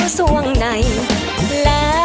รู้ส่วงในน้ำ